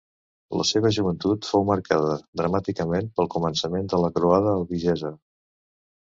La seva joventut fou marcada dramàticament pel començament de la croada albigesa.